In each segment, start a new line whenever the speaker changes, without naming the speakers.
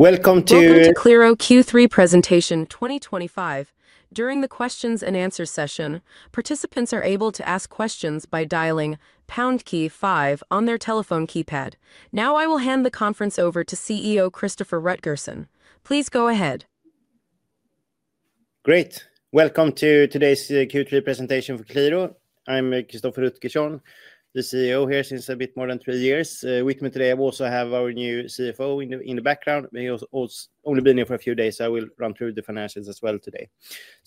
Welcome to the Qliro Q3 Presentation 2025. During the questions and answers session, participants are able to ask questions by dialing pound key five on their telephone keypad. Now, I will hand the conference over to CEO Christoffer Rutgersson. Please go ahead.
Great. Welcome to today's Q3 presentation for Qliro. I'm Christoffer Rutgersson, the CEO here since a bit more than three years. With me today, I also have our new CFO in the background. He's only been here for a few days, so I will run through the financials as well today.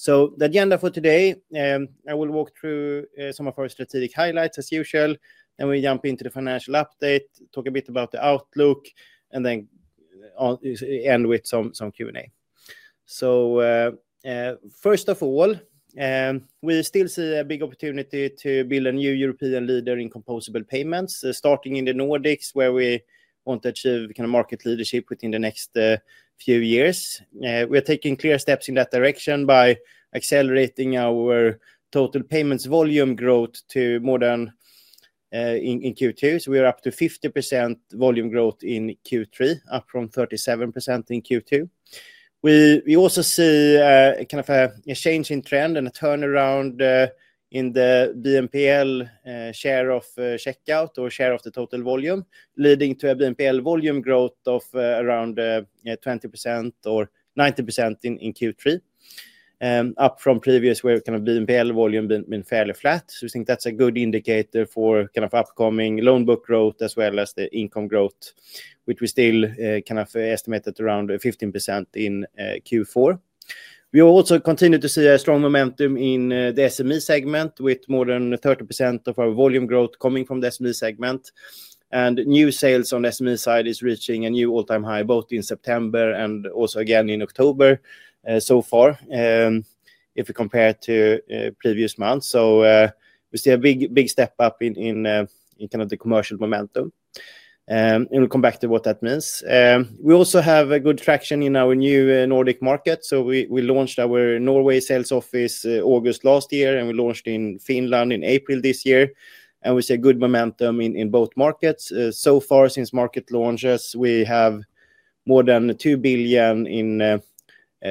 The agenda for today, I will walk through some of our strategic highlights as usual, then we jump into the financial update, talk a bit about the outlook, and then end with some Q&A. First of all, we still see a big opportunity to build a new European leader in Composable Payments, starting in the Nordics where we want to achieve kind of market leadership within the next few years. We are taking clear steps in that direction by accelerating our total payments volume growth to more than in Q2. We are up to 50% volume growth in Q3, up from 37% in Q2. We also see kind of a change in trend and a turnaround in the BNPL share of checkout or share of the total volume, leading to a BNPL volume growth of around 20%-90% in Q3, up from previous where kind of BNPL volume had been fairly flat. We think that's a good indicator for kind of upcoming loan book growth as well as the income growth, which we still kind of estimated around 15% in Q4. We also continue to see a strong momentum in the SME segment, with more than 30% of our volume growth coming from the SME segment. New sales on the SME side are reaching a new all-time high, both in September and also again in October so far, if we compare to previous months. We see a big step up in kind of the commercial momentum. We'll come back to what that means. We also have a good traction in our new Nordic market. We launched our Norway sales office August last year, and we launched in Finland in April this year. We see a good momentum in both markets. So far, since market launches, we have more than 2 billion in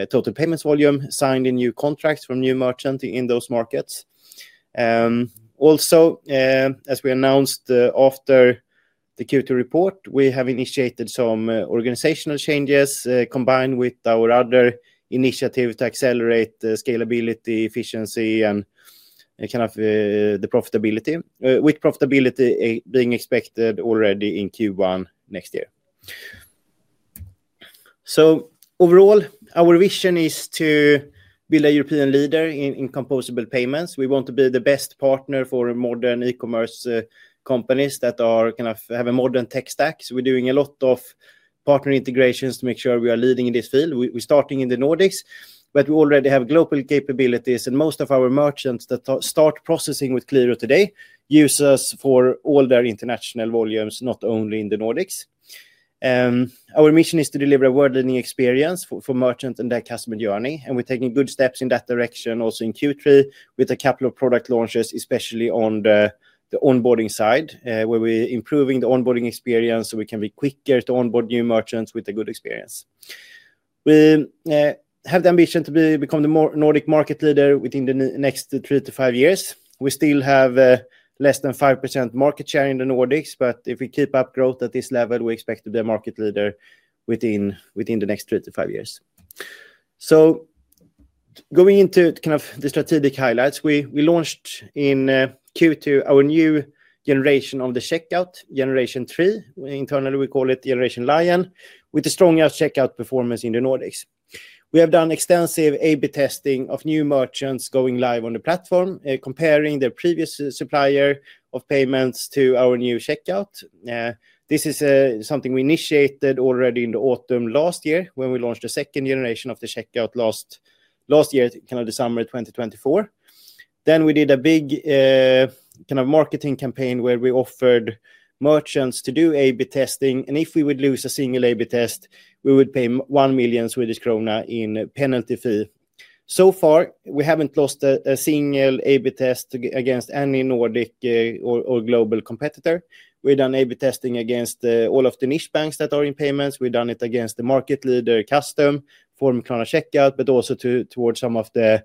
total payments volume signed in new contracts from new merchants in those markets. Also, as we announced after the Q2 report, we have initiated some organizational changes combined with our other initiatives to accelerate scalability, efficiency, and kind of the profitability, with profitability being expected already in Q1 next year. Overall, our vision is to build a European leader in Composable Payments. We want to be the best partner for modern e-commerce companies that have a modern tech stack. We're doing a lot of partner integrations to make sure we are leading in this field. We're starting in the Nordics, but we already have global capabilities, and most of our merchants that start processing with Qliro today use us for all their international volumes, not only in the Nordics. Our mission is to deliver a world-leading experience for merchants in their customer journey, and we're taking good steps in that direction also in Q3 with a couple of product launches, especially on the onboarding side, where we're improving the onboarding experience so we can be quicker to onboard new merchants with a good experience. We have the ambition to become the Nordic market leader within the next three to five years. We still have less than 5% market share in the Nordics, but if we keep up growth at this level, we expect to be a market leader within the next three to five years. Going into kind of the strategic highlights, we launched in Q2 our new generation of the checkout, Checkout Gen 3. Internally, we call it Generation Lion, with the strongest checkout performance in the Nordics. We have done extensive A/B testing of new merchants going live on the platform, comparing their previous supplier of payments to our new checkout. This is something we initiated already in the autumn last year when we launched the second generation of the checkout last year, kind of the summer of 2024. We did a big kind of marketing campaign where we offered merchants to do A/B testing, and if we would lose a single A/B test, we would pay 1 million Swedish krona in penalty fee. So far, we haven't lost a single A/B test against any Nordic or global competitor. We've done A/B testing against all of the niche banks that are in payments. We've done it against the market leader, Custom, Form Krona Checkout, but also towards some of the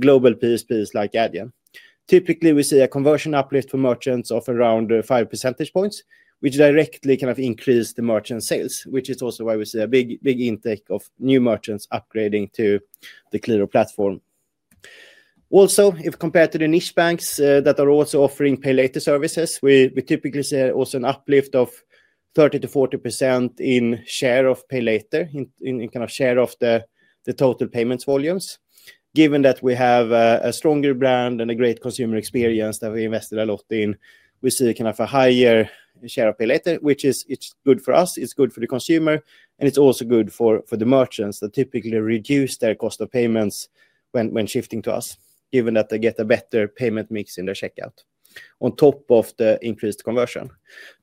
global PSPs like Adyen. Typically, we see a conversion uplift for merchants of around 5%, which directly increases the merchant sales, which is also why we see a big intake of new merchants upgrading to the Qliro platform. Also, if compared to the niche banks that are also offering Pay Later services, we typically see also an uplift of 30%-40% in share of Pay Later, in kind of share of the total payments volumes. Given that we have a stronger brand and a great consumer experience that we invested a lot in, we see kind of a higher share of Pay Later, which is good for us, it's good for the consumer, and it's also good for the merchants that typically reduce their cost of payments when shifting to us, given that they get a better payment mix in their checkout on top of the increased conversion.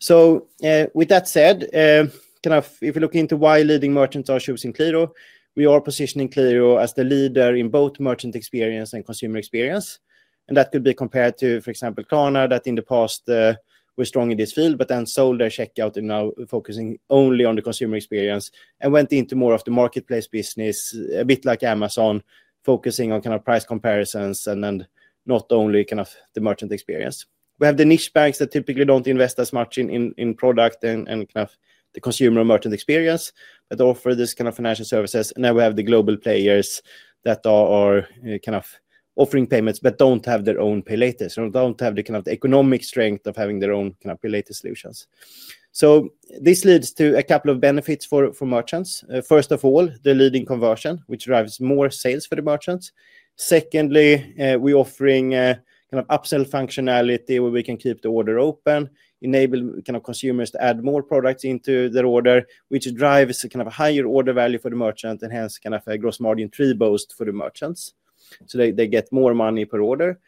With that said, if we look into why leading merchants are choosing Qliro, we are positioning Qliro as the leader in both merchant experience and consumer experience. That could be compared to, for example, Klarna that in the past were strong in this field, but then sold their checkout and now focusing only on the consumer experience and went into more of the marketplace business, a bit like Amazon, focusing on kind of price comparisons and not only the merchant experience. We have the niche banks that typically don't invest as much in product and the consumer or merchant experience, but offer this kind of financial services. We have the global players that are offering payments but don't have their own Pay Later, so don't have the economic strength of having their own Pay Later solutions. This leads to a couple of benefits for merchants. First of all, the leading conversion, which drives more sales for the merchants. Secondly, we're offering upsell functionality where we can keep the order open, enable consumers to add more products into their order, which drives a higher order value for the merchant and hence a gross margin tree boost for the merchants. They get more money per order.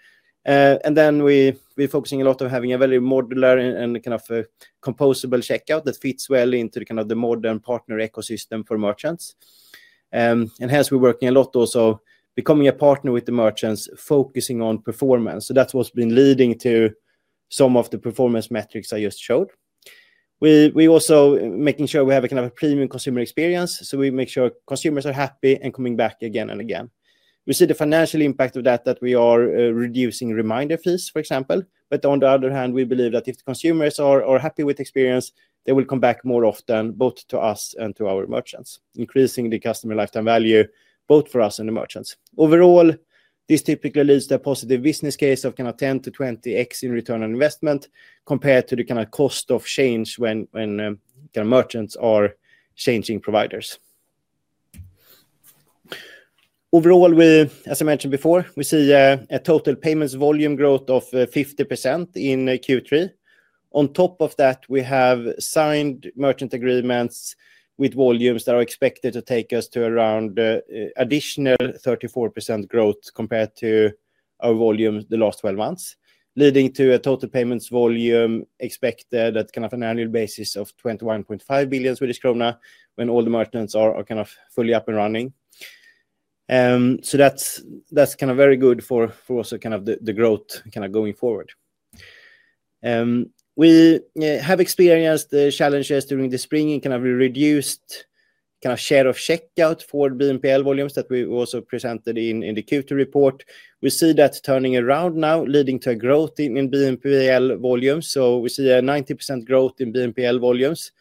We're focusing a lot on having a very modular and composable checkout that fits well into the modern partner ecosystem for merchants. Hence, we're working a lot also becoming a partner with the merchants focusing on performance. That's what's been leading to some of the performance metrics I just showed. We're also making sure we have a premium consumer experience, so we make sure consumers are happy and coming back again and again. We see the financial impact of that, that we are reducing reminder fees, for example, but on the other hand, we believe that if the consumers are happy with the experience, they will come back more often, both to us and to our merchants, increasing the customer lifetime value, both for us and the merchants. Overall, this typically leads to a positive business case of kind of 10x-20x in return on investment compared to the kind of cost of change when kind of merchants are changing providers. Overall, as I mentioned before, we see a total payments volume growth of 50% in Q3. On top of that, we have signed merchant agreements with volumes that are expected to take us to around additional 34% growth compared to our volume the last 12 months, leading to a total payments volume expected at kind of an annual basis of 21.5 billion Swedish krona when all the merchants are kind of fully up and running. That's kind of very good for also kind of the growth kind of going forward. We have experienced challenges during the spring in kind of a reduced kind of share of checkout for BNPL volumes that we also presented in the Q2 report. We see that turning around now, leading to a growth in BNPL volumes. We see a 90% growth in BNPL volumes.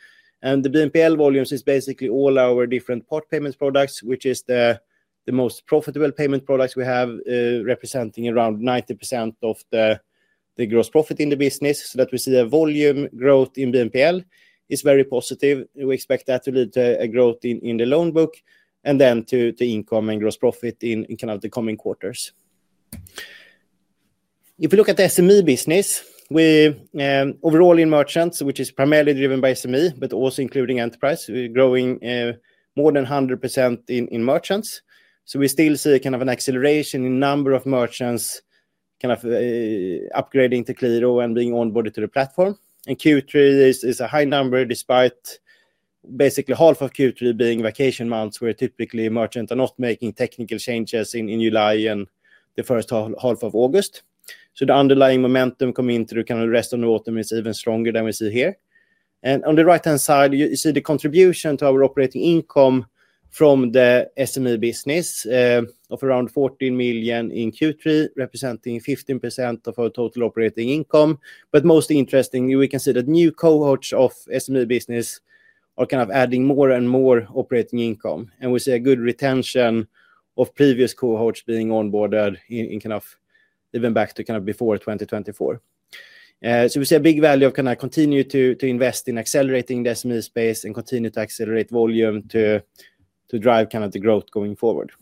The BNPL volumes is basically all our different part payments products, which is the most profitable payment products we have, representing around 90% of the gross profit in the business. That we see a volume growth in BNPL is very positive. We expect that to lead to a growth in the loan book and then to income and gross profit in kind of the coming quarters. If we look at the SME business, overall in merchants, which is primarily driven by SME, but also including enterprise, we're growing more than 100% in merchants. We still see kind of an acceleration in the number of merchants kind of upgrading to Qliro and being onboarded to the platform. Q3 is a high number despite basically half of Q3 being vacation months where typically merchants are not making technical changes in July and the first half of August. The underlying momentum coming into the rest of the autumn is even stronger than we see here. On the right-hand side, you see the contribution to our operating income from the SME business of around 14 million in Q3, representing 15% of our total operating income. Most interesting, we can see that new cohorts of SME business are kind of adding more and more operating income. We see a good retention of previous cohorts being onboarded in kind of even back to kind of before 2024. We see a big value of kind of continuing to invest in accelerating the SME space and continue to accelerate volume to drive kind of the growth going forward.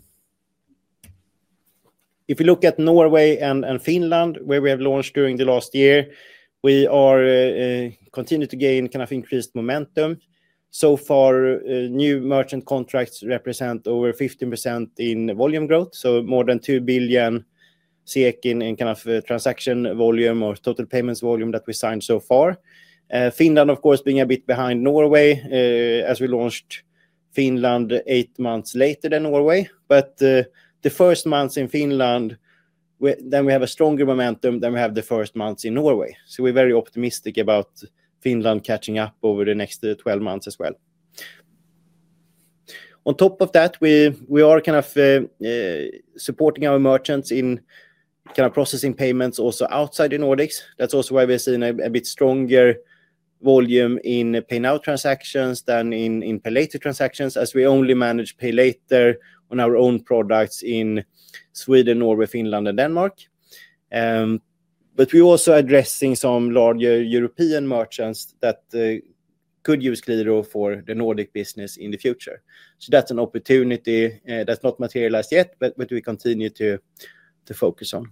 If we look at Norway and Finland, where we have launched during the last year, we continue to gain increased momentum. So far, new merchant contracts represent over 15% in volume growth. More than 2 billion in transaction volume or total payments volume that we signed so far. Finland, of course, being a bit behind Norway as we launched Finland eight months later than Norway. The first months in Finland, we have a stronger momentum than we had the first months in Norway. We are very optimistic about Finland catching up over the next 12 months as well. On top of that, we are supporting our merchants in processing payments also outside the Nordics. That's also why we're seeing a bit stronger volume in Pay Now transactions than in Pay Later transactions as we only manage Pay Later on our own products in Sweden, Norway, Finland, and Denmark. We're also addressing some larger European merchants that could use Qliro for the Nordic business in the future. That's an opportunity that's not materialized yet, but we continue to focus on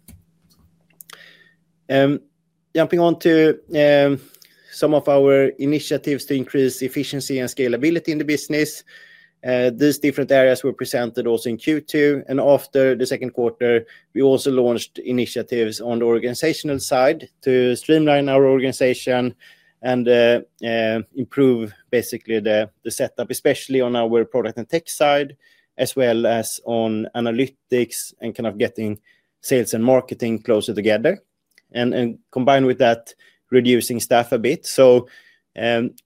it. Jumping on to some of our initiatives to increase efficiency and scalability in the business, these different areas were presented also in Q2. After the second quarter, we also launched initiatives on the organizational side to streamline our organization and improve basically the setup, especially on our product and tech side, as well as on analytics and getting sales and marketing closer together. Combined with that, reducing staff a bit.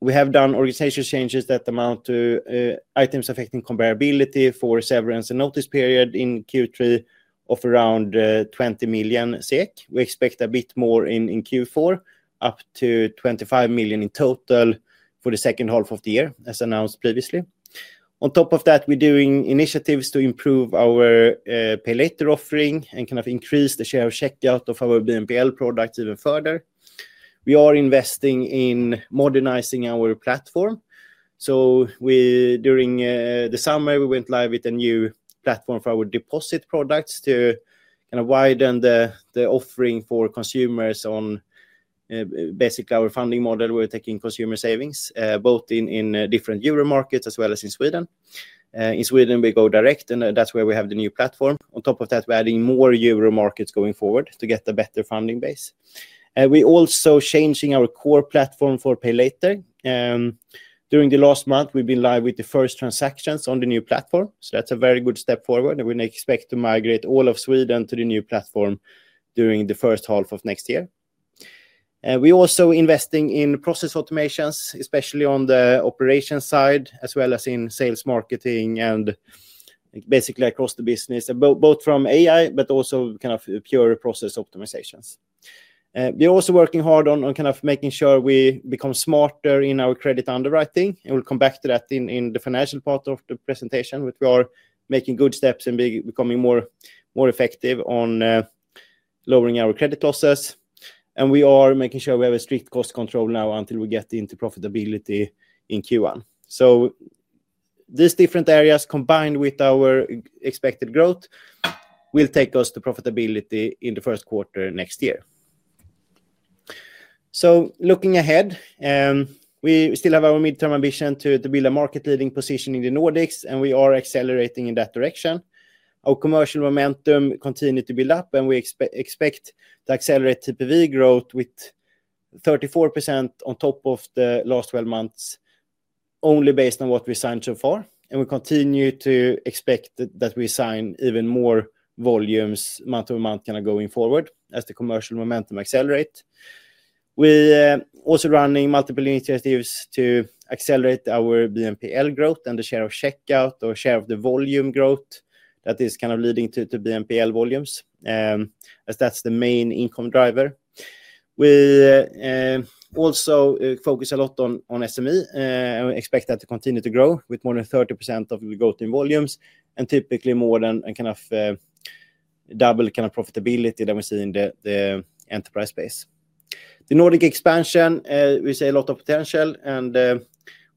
We have done organizational changes that amount to items affecting comparability for severance and notice period in Q3 of around 20 million SEK. We expect a bit more in Q4, up to 25 million in total for the second half of the year as announced previously. On top of that, we're doing initiatives to improve our Pay Later offering and increase the share of checkout of our BNPL products even further. We are investing in modernizing our platform. During the summer, we went live with a new platform for our deposit products to widen the offering for consumers on basically our funding model where we're taking consumer savings, both in different euro markets as well as in Sweden. In Sweden, we go direct and that's where we have the new platform. On top of that, we're adding more euro markets going forward to get a better funding base. We're also changing our core platform for Pay Later. During the last month, we've been live with the first transactions on the new platform. That's a very good step forward, and we expect to migrate all of Sweden to the new platform during the first half of next year. We're also investing in process automations, especially on the operations side as well as in sales, marketing, and basically across the business, both from AI but also pure process optimizations. We're also working hard on making sure we become smarter in our credit underwriting. We'll come back to that in the financial part of the presentation, but we are making good steps and becoming more effective on lowering our credit losses. We are making sure we have a strict cost control now until we get into profitability in Q1. These different areas combined with our expected growth will take us to profitability in the first quarter next year. Looking ahead, we still have our midterm ambition to build a market-leading position in the Nordics, and we are accelerating in that direction. Our commercial momentum continues to build up, and we expect to accelerate TPV growth with 34% on top of the last 12 months, only based on what we signed so far. We continue to expect that we sign even more volumes month over month going forward as the commercial momentum accelerates. We're also running multiple initiatives to accelerate our BNPL growth and the share of checkout or share of the volume growth that is leading to BNPL volumes, as that's the main income driver. We also focus a lot on SME and expect that to continue to grow with more than 30% of the growth in volumes and typically more than double profitability that we see in the enterprise space. The Nordic expansion, we see a lot of potential, and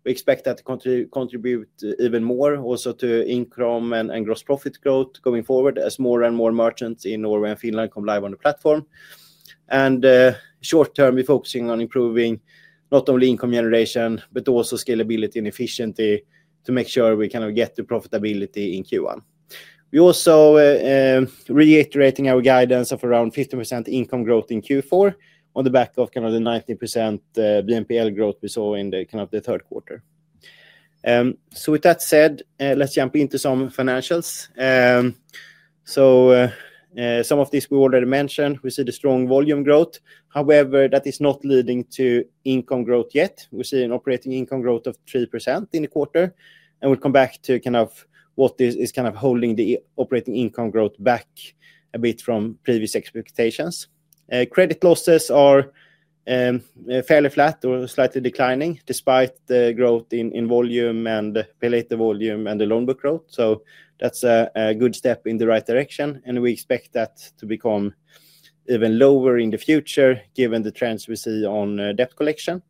we expect that to contribute even more also to income and gross profit growth going forward as more and more merchants in Norway and Finland come live on the platform. Short term, we're focusing on improving not only income generation but also scalability and efficiency to make sure we get to profitability in Q1. We're also reiterating our guidance of around 15% income growth in Q4 on the back of the 19% BNPL growth we saw in the third quarter. With that said, let's jump into some financials. Some of this we already mentioned, we see the strong volume growth. However, that is not leading to income growth yet. We're seeing operating income growth of 3% in the quarter, and we'll come back to kind of what is kind of holding the operating income growth back a bit from previous expectations. Credit losses are fairly flat or slightly declining despite the growth in volume and Pay Later volume and the loan book growth. That's a good step in the right direction, and we expect that to become even lower in the future given the trends we see on debt collection.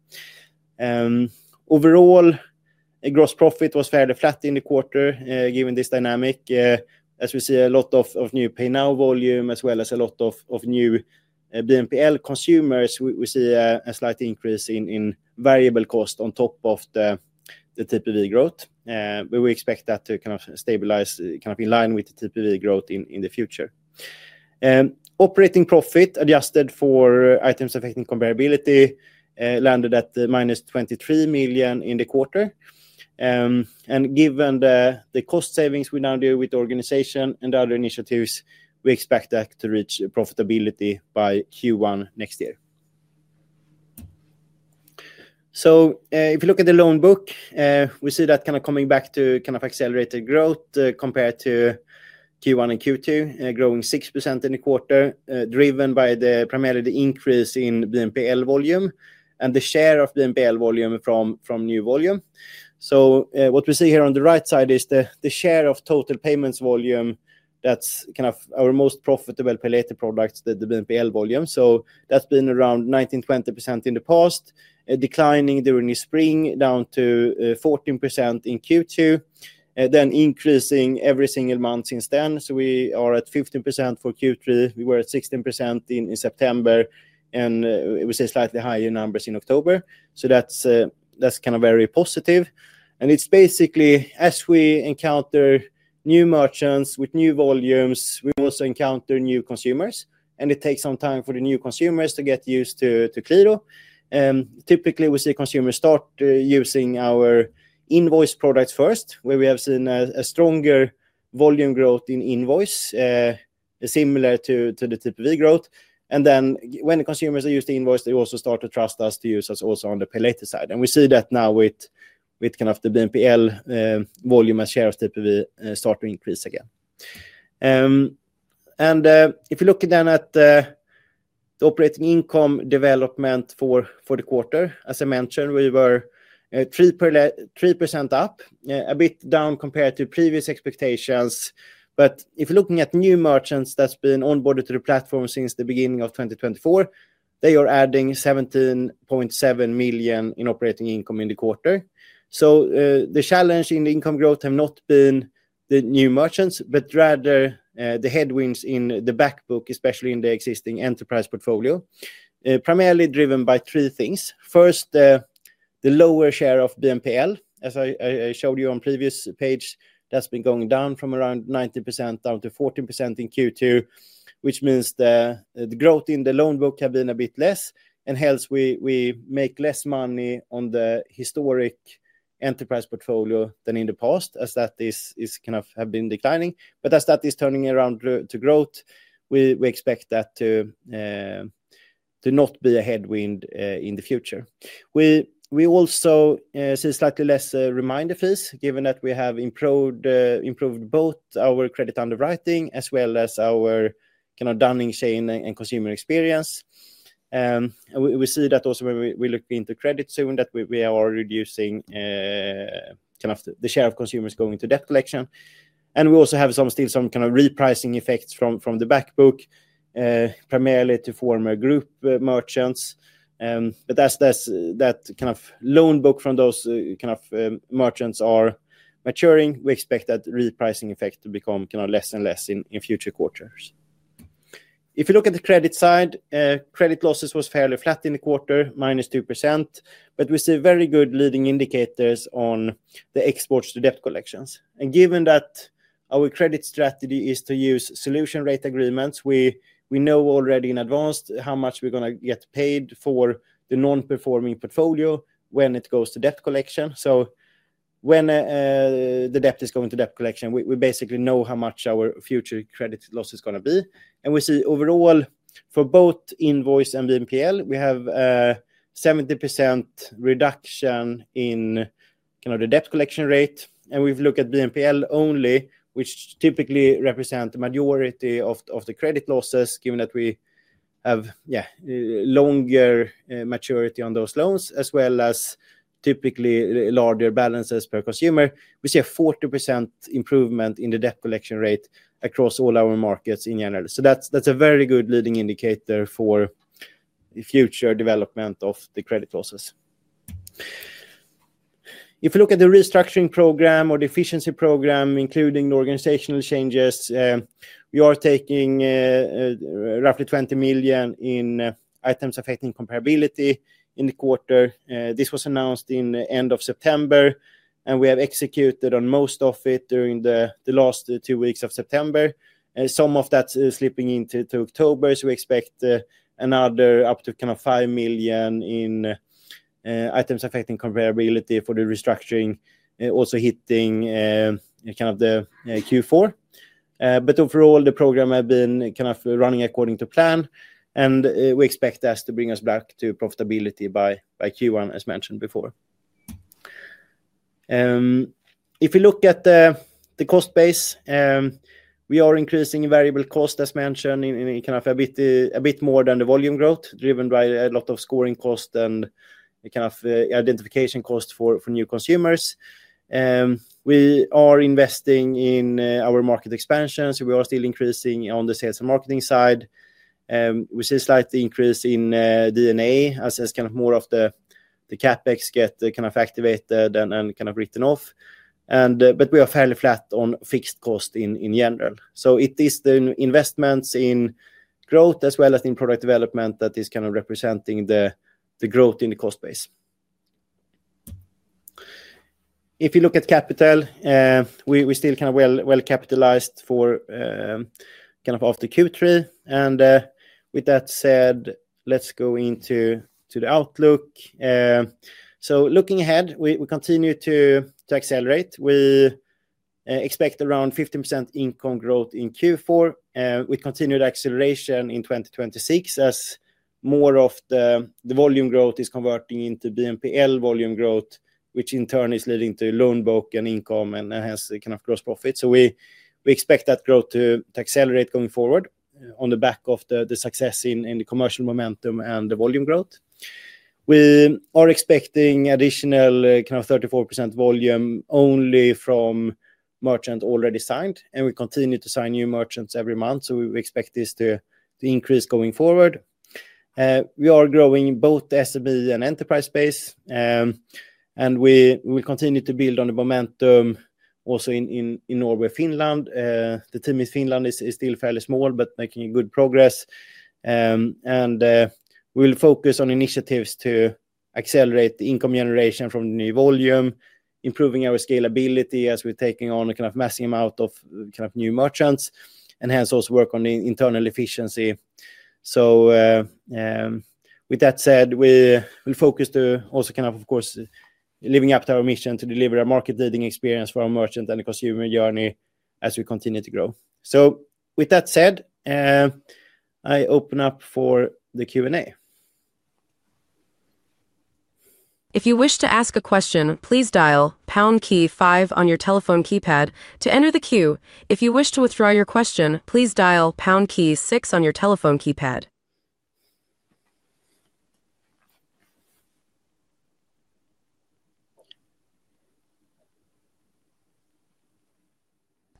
Overall, gross profit was fairly flat in the quarter given this dynamic as we see a lot of new Pay Now volume as well as a lot of new BNPL consumers. We see a slight increase in variable cost on top of the TPV growth, but we expect that to kind of stabilize in line with the TPV growth in the future. Operating profit adjusted for items affecting comparability landed at -23 million in the quarter. Given the cost savings we now do with the organization and the other initiatives, we expect that to reach profitability by Q1 next year. If you look at the loan book, we see that kind of coming back to accelerated growth compared to Q1 and Q2, growing 6% in the quarter driven by primarily the increase in BNPL volume and the share of BNPL volume from new volume. What we see here on the right side is the share of total payments volume, that's kind of our most profitable Pay Later products, the BNPL volume. That's been around 19-20% in the past, declining during the spring down to 14% in Q2, then increasing every single month since then. We are at 15% for Q3, we were at 16% in September, and we see slightly higher numbers in October. That's kind of very positive. It's basically as we encounter new merchants with new volumes, we also encounter new consumers, and it takes some time for the new consumers to get used to Qliro. Typically, we see consumers start using our invoice products first, where we have seen a stronger volume growth in invoice, similar to the TPV growth. When the consumers are used to invoice, they also start to trust us to use us also on the Pay Later side. We see that now with kind of the BNPL volume as share of TPV start to increase again. If you look at the operating income development for the quarter, as I mentioned, we were 3% up, a bit down compared to previous expectations. If you're looking at new merchants that have been onboarded to the platform since the beginning of 2024, they are adding 17.7 million in operating income in the quarter. The challenge in the income growth has not been the new merchants, but rather the headwinds in the backbook, especially in the existing enterprise portfolio, primarily driven by three things. First, the lower share of BNPL, as I showed you on the previous page, has been going down from around 19%-14% in Q2, which means the growth in the loan book has been a bit less. Hence, we make less money on the historic enterprise portfolio than in the past, as that has been declining. As that is turning around to growth, we expect that to not be a headwind in the future. We also see slightly less reminder fees, given that we have improved both our credit underwriting as well as our kind of downing chain and consumer experience. We see that also when we look into credit soon, that we are reducing the share of consumers going to debt collection. We also have still some repricing effects from the backbook, primarily to former group merchants. As that loan book from those merchants is maturing, we expect that repricing effect to become less and less in future quarters. If you look at the credit side, credit losses were fairly flat in the quarter, -2%. We see very good leading indicators on the exports to debt collections. Given that our credit strategy is to use solution rate agreements, we know already in advance how much we're going to get paid for the non-performing portfolio when it goes to debt collection. When the debt is going to debt collection, we basically know how much our future credit loss is going to be. We see overall for both invoice and BNPL, we have a 70% reduction in the debt collection rate. We've looked at BNPL only, which typically represents the majority of the credit losses, given that we have a longer maturity on those loans, as well as typically larger balances per consumer. We see a 40% improvement in the debt collection rate across all our markets in general. That's a very good leading indicator for the future development of the credit losses. If you look at the restructuring program or the efficiency program, including the organizational changes, we are taking roughly 20 million in items affecting comparability in the quarter. This was announced in the end of September, and we have executed on most of it during the last two weeks of September. Some of that is slipping into October, so we expect another up to 5 million in items affecting comparability for the restructuring, also hitting Q4. Overall, the program has been running according to plan, and we expect that to bring us back to profitability by Q1, as mentioned before. If you look at the cost base, we are increasing in variable cost, as mentioned, a bit more than the volume growth, driven by a lot of scoring costs and identification costs for new consumers. We are investing in our market expansion, so we are still increasing on the sales and marketing side. We see a slight increase in D&A, as more of the CapEx gets activated and written off. We are fairly flat on fixed cost in general. It is the investments in growth as well as in product development that is representing the growth in the cost base. If you look at capital, we are still well capitalized after Q3. With that said, let's go into the outlook. Looking ahead, we continue to accelerate. We expect around 15% income growth in Q4, with continued acceleration in 2026, as more of the volume growth is converting into BNPL volume growth, which in turn is leading to loan book and income and hence gross profit. We expect that growth to accelerate going forward on the back of the success in the commercial momentum and the volume growth. We are expecting additional 34% volume only from merchants already signed, and we continue to sign new merchants every month. We expect this to increase going forward. We are growing in both the SME and enterprise space, and we will continue to build on the momentum also in Norway and Finland. The team in Finland is still fairly small, but making good progress. We will focus on initiatives to accelerate the income generation from the new volume, improving our scalability as we're taking on a massive amount of new merchants, and also work on the internal efficiency. With that said, we will focus to also, of course, living up to our mission to deliver a market-leading experience for our merchant and the consumer journey as we continue to grow. With that said, I open up for the Q&A.
If you wish to ask a question, please dial pound key five on your telephone keypad to enter the queue. If you wish to withdraw your question, please dial pound key six on your telephone keypad.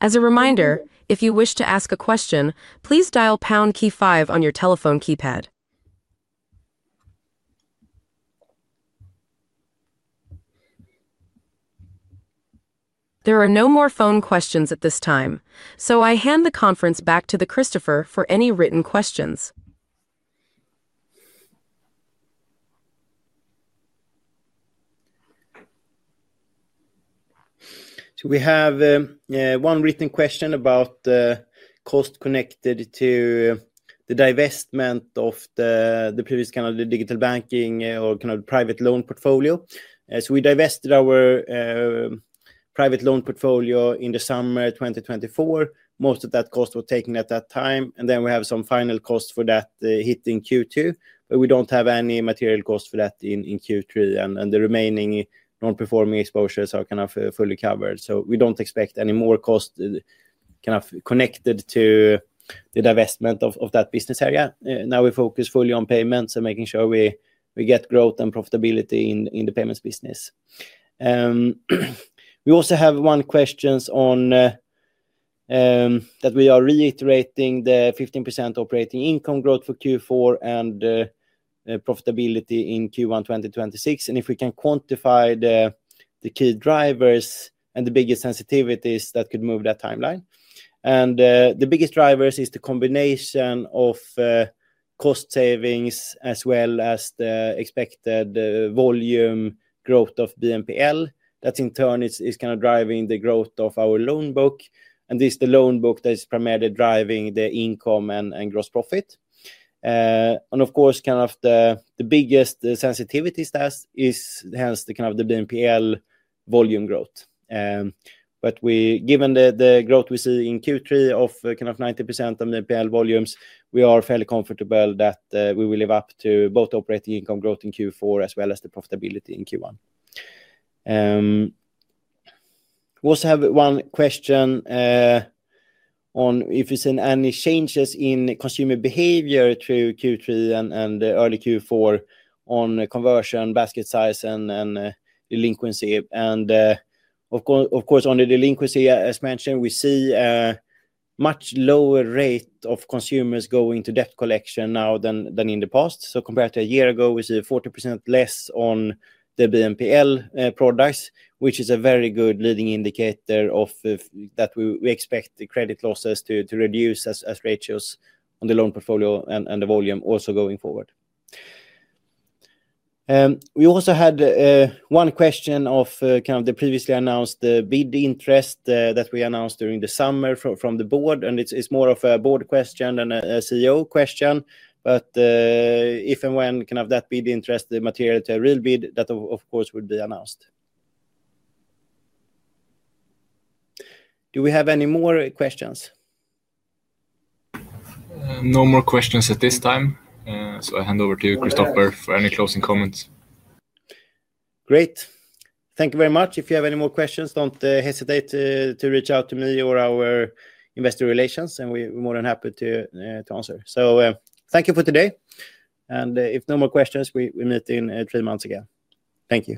As a reminder, if you wish to ask a question, please dial pound key five on your telephone keypad. There are no more phone questions at this time, so I hand the conference back to Christoffer for any written questions.
We have one written question about the cost connected to the divestment of the previous kind of digital banking or kind of private loan portfolio. We divested our private loan portfolio in the summer of 2024. Most of that cost was taken at that time, and then we have some final costs for that hit in Q2, but we don't have any material costs for that in Q3, and the remaining non-performing exposures are kind of fully covered. We don't expect any more costs kind of connected to the divestment of that business area. Now we focus fully on payments and making sure we get growth and profitability in the payments business. We also have one question on that we are reiterating the 15% operating income growth for Q4 and profitability in Q1 2026, and if we can quantify the key drivers and the biggest sensitivities that could move that timeline. The biggest drivers are the combination of cost savings as well as the expected volume growth of BNPL, that in turn is kind of driving the growth of our loan book, and this is the loan book that is primarily driving the income and gross profit. Of course, kind of the biggest sensitivity to that is hence the kind of the BNPL volume growth. Given the growth we see in Q3 of kind of 90% of BNPL volumes, we are fairly comfortable that we will live up to both operating income growth in Q4 as well as the profitability in Q1. We also have one question on if we've seen any changes in consumer behavior through Q3 and early Q4 on conversion, basket size, and delinquency. Of course, on the delinquency, as mentioned, we see a much lower rate of consumers going to debt collection now than in the past. Compared to a year ago, we see 40% less on the BNPL products, which is a very good leading indicator that we expect credit losses to reduce as ratios on the loan portfolio and the volume also going forward. We also had one question of kind of the previously announced bid interest that we announced during the summer from the board, and it's more of a board question than a CEO question. If and when kind of that bid interest materialized to a real bid, that of course would be announced. Do we have any more questions? No more questions at this time. I hand over to you, Christoffer, for any closing comments. Great. Thank you very much. If you have any more questions, don't hesitate to reach out to me or our investor relations, and we're more than happy to answer. Thank you for today, and if no more questions, we meet in three months again. Thank you.